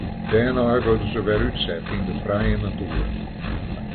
Dêrnei wurde se wer útset yn de frije natoer.